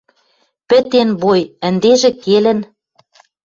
Пӹтен бой. Ӹндежӹ келӹн